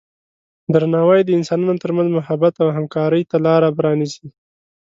درناوی د انسانانو ترمنځ محبت او همکارۍ ته لاره پرانیزي.